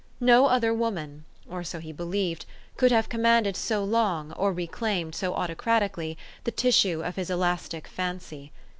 No other woman, or so he believed, could have com manded so long, or reclaimed so autocratically, the tissue of his elastic fancy.